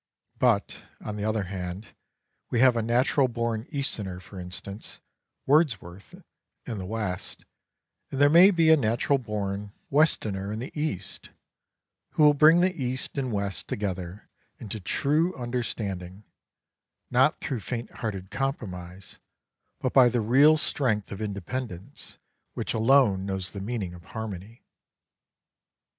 But, on the other hand, we have a natural born Easterner, for instance, Wordsworth, in the West, and there may be a natural bom xiv Foreword Westerner in the East, who will bring the East and West together into true understanding, not through faint hearted compromise but by the real strength of independence which alone knows the meaning of harmony.